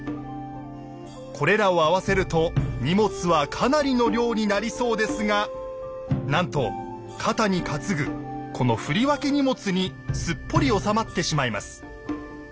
これらを合わせると荷物はかなりの量になりそうですがなんと肩に担ぐこの「振り分け荷物」にすっぽり収まってしまいます。